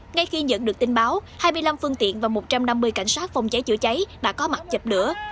ngay khi nhận được tin báo hai mươi năm phương tiện và một trăm năm mươi cảnh sát phòng cháy chữa cháy đã có mặt dập lửa